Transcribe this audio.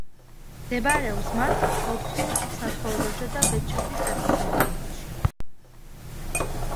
მდებარეობს მათ ყოფილ საცხოვრებელსა და ბეჭვდით დაწესებულებაში.